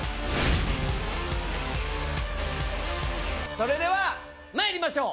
それでは参りましょう！